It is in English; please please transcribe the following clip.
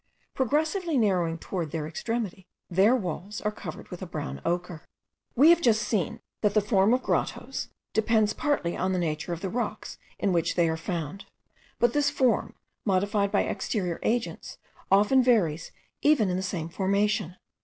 Progressively narrowing towards their extremity, their walls are covered with a brown ochre. We have just seen, that the form of grottoes depends partly on the nature of the rocks in which they are found; but this form, modified by exterior agents, often varies even in the same formation.